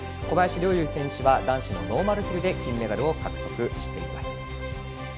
小林陵侑選手は男子のノーマルヒルで金メダルを獲得しています。